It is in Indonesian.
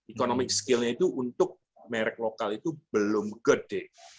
economic skillnya itu untuk merek lokal itu belum gede